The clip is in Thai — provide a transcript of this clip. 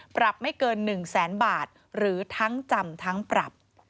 ปรับไม่เกิน๑แสนบาทหรือทั้งจำทั้งปรับ